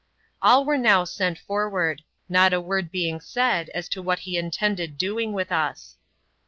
An were now sent forward; not a word being said as to what he intended doing with us.